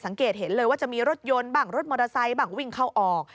สังเกตเห็นเลยว่าจะมีรถยนต์บ้างรถมอเตอร์ไซค์บ้างวิ่งเข้าออก